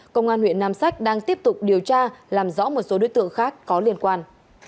công an huyện nam sách đang tiếp tục điều tra làm rõ một số đối tượng khác có liên quan